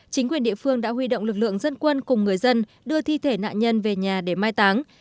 chính quyền địa phương đã huy động lực lượng dân quân cùng người dân đưa thi thể nạn nhân về nhà để mai táng